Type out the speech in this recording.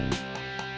lebih banget deh sih